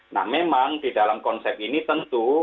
nah memang di dalam konsep ini tentu